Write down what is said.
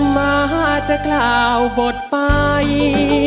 มาจะกล่าวบทไป